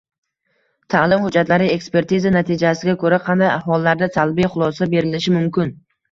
Ta’lim hujjatlari ekspertizasi natijasiga ko‘ra qanday hollarda salbiy xulosa berilishi mumkin?